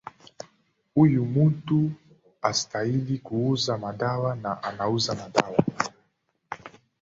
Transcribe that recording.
huyu mtu hastahili kuuza madawa na anauza madawa